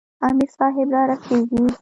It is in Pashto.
امیر صاحب را رسیږي.